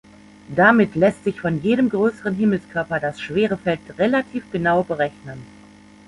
Damit lässt sich von jedem größeren Himmelskörper das Schwerefeld relativ genau berechnen.